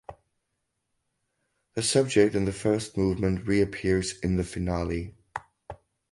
The subject in the first movement reappears in the finale.